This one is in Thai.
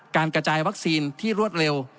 การกระจายวัคซีนที่รวดเร็ว